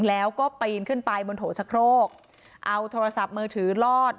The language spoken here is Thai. แล้วก็ปีนขึ้นไปบนโถชะโครกเอาโทรศัพท์มือถือลอด